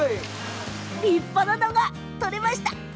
立派ななのが取れました。